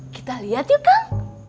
kita lihat yuk kang